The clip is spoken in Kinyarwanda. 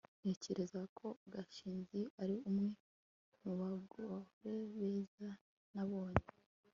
ntekereza ko gashinzi ari umwe mu bagore beza nabonye